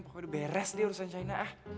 pokoknya udah beres deh urusan shaina ah